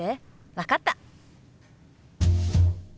分かった。